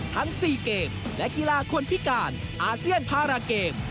ทั้ง๔เกมและกีฬาคนพิการอาเซียนพาราเกม